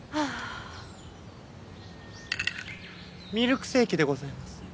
ミルクセーキでございます。